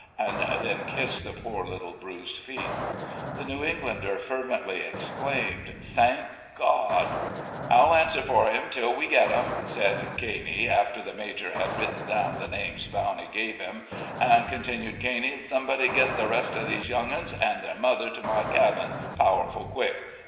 and then kissed the poor little bruised feet. The New Englander fervently exclaimed, "Thank God!" "I'll answer fur him till we get 'em," said Caney, after the major had written down the names Bowney gave him; "an'," continued Caney, "somebody git the rest of these young uns an' ther mother to my cabin powerful quick.